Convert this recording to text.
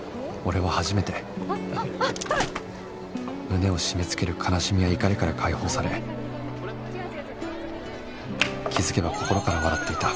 胸を締めつける悲しみや怒りから解放され気づけば心から笑っていた